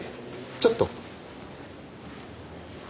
ちょっと。